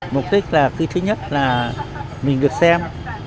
mục đích là thứ nhất là mình được xem